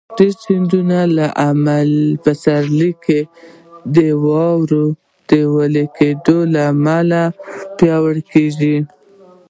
ډېری سیندونه په پسرلي کې د واورو د وېلې کېدو له امله پیاوړي کېږي.